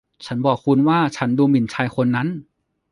ฉันบอกคุณว่าฉันดูหมิ่นชายคนนั้น